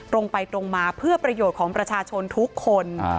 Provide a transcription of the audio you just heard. ตรงไปตรงมาเพื่อประโยชน์ของประชาชนทุกคน